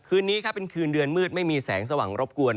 คืนนี้ครับเป็นคืนเดือนมืดไม่มีแสงสว่างรบกวน